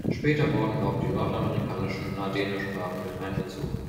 Später wurden auch die nordamerikanischen Na-Dene-Sprachen mit einbezogen.